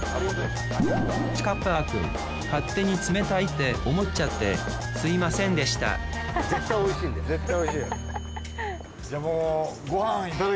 ちかっぱーくん勝手に冷たいって思っちゃってすみませんでした絶対美味しいんだよ。